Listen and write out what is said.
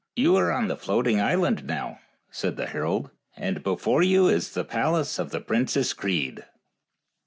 " You are on the floating island now," said the herald, " and before you is the palace of the Princess Crede."